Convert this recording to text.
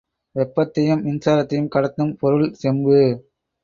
வெப்பத்தையும் மின்சாரத்தையும் கடத்தும் பொருள் செம்பு.